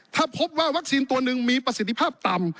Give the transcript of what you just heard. ถ้าพบว่าวัคซีนตัวหนึ่งมีประสิทธิภาพต่ำ